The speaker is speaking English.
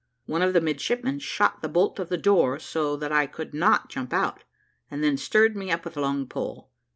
One of the midshipmen shot the bolt of the door, so that I could not jump out, and then stirred me up with a long pole.